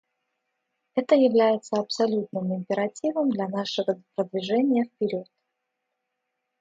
Это является абсолютным императивом для нашего продвижения вперед.